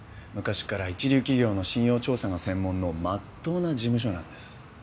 昔から一流企業の信用調査が専門の真っ当な事務所なんです。